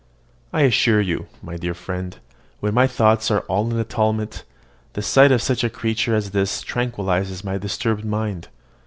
I assure you, my dear friend, when my thoughts are all in tumult, the sight of such a creature as this tranquillises my disturbed mind.